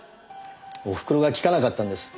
おふくろが聞かなかったんです。